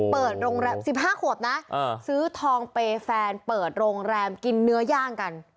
เปิดโรงแรม๑๕ขวบนะซื้อทองเปย์แฟนเปิดโรงแรมกินเนื้อย่างกัน